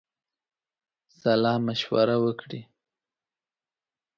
سالامشوره وکړي.